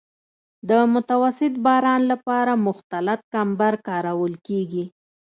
د متوسط باران لپاره مختلط کمبر کارول کیږي